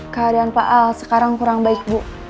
keadaan pak al sekarang kurang baik bu